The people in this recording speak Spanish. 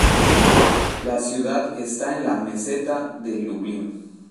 La ciudad está en la meseta de Lublin.